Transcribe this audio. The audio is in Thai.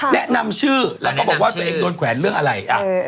แนะนำชื่อแล้วก็บอกว่าตัวเองโดนแขวนเรื่องอะไร